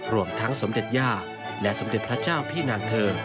รวมทั้งสมเด็จย่าและสมเด็จพระเจ้าพี่นางเธอ